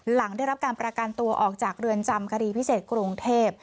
หลังได้รับการประกันตัวออกจากเรือนจำคดีพิเศษกรุงเทพ